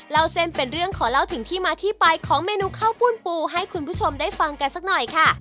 เล่าเส้นเป็นเรื่องขอเล่าถึงที่มาที่ไปของเมนูข้าวปุ้นปูให้คุณผู้ชมได้ฟังกันสักหน่อยค่ะ